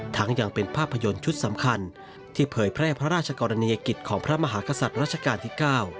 ยังเป็นภาพยนตร์ชุดสำคัญที่เผยแพร่พระราชกรณียกิจของพระมหากษัตริย์รัชกาลที่๙